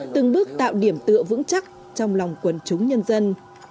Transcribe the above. từng bước tạo điểm tựa vững chắc trong lòng quần chúng nhân dân